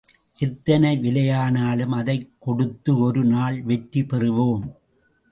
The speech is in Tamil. எத்தனை விலையானாலும், அதைக் கொடுத்து, ஒரு நாள் வெற்றி பெறுவோம்.